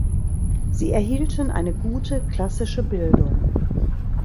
Sie erhielten eine gute klassische Bildung.